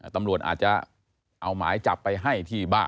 ตำรวจอาจจะเอาหมายจับไปให้ที่บ้าน